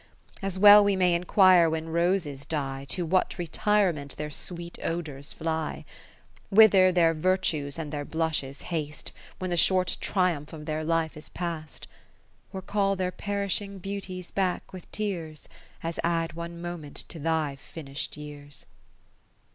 As well we may enquire when roses die. To what retirement their sweetodours fly; 20 Whither their virtues and their blushes haste, When the short triumph of their life is past ; Or call their perishing beauties back with tears. As add one moment to thy finish'd years.